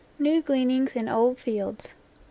NEW GLEANINGS IN OLD FIELDS I.